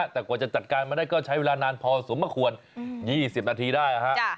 แต่กว่าจะจัดการมาได้ก็ใช้เวลานานพอสมควร๒๐นาทีได้